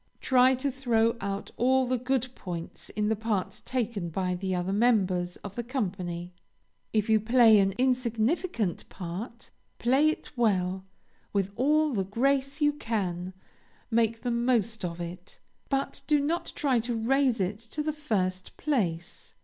Try to throw out all the good points in the parts taken by the other members of the company. If you play an insignificant part, play it well, with all the grace you can, make the most of it, but do not try to raise it to the first place.